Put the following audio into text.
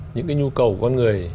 những cái nhu cầu con người